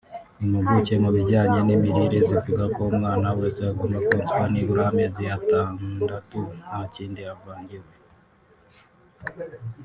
Impuguke mu bijyanye n’imirire zivuga ko umwana wese agomba konswa nibura amezi atandatu nta kindi avangiwe